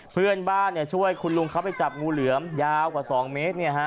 เพื่อนบ้านช่วยคุณลุงเขาไปจับงูเหลือมยาวกว่า๒เมตร